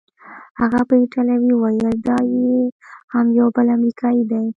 هغه په ایټالوي وویل: دا یې هم یو بل امریکايي دی.